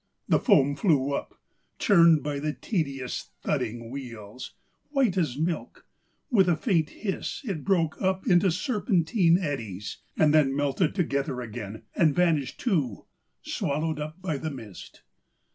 The foam flew up, churned by the tediously thudding wheels ; white as milk, with a faint hiss it broke up into serpentine eddies, and then melted together again and vanished too, swallowed up by the mist.